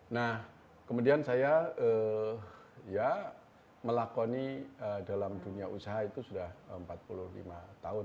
nah kemudian saya ya melakoni dalam dunia usaha itu sudah empat puluh lima tahun